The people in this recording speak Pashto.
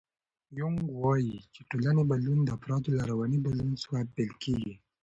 یونګ وایي چې د ټولنې بدلون د افرادو له رواني بدلون څخه پیل کېږي.